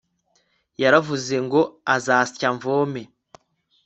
yaravuze ngo uzasya mvome